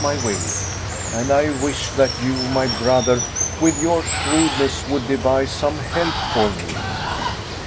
my will, and I wish that you, my brother, with your shrewdness, would devise some help for me.